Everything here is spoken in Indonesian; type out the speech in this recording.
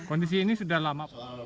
kondisi ini sudah lama